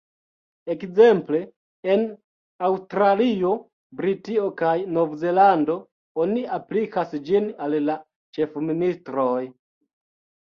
Ekzemple en Aŭstralio, Britio kaj Novzelando oni aplikas ĝin al la ĉefministroj.